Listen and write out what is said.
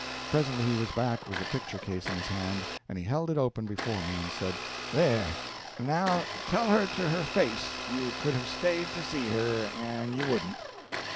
Presently he was back, with the picture case in his hand, and he held it open before me and said: "There, now, tell her to her face you could have stayed to see her, and you wouldn't."